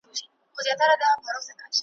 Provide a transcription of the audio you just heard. کله کله به هیلۍ ورته راتللې `